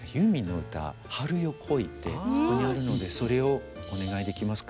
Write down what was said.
あそこにあるのでそれをお願いできますか。